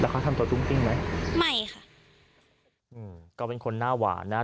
คือก็เป็นคนน่าหวานนะ